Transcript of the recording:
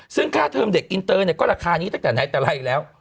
ซึ่งค่าเทอมเด็กอินเตอร์เนี่ยก็ราคานี้ตั้งแต่ไหนแต่ไรแล้ว